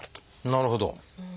なるほど。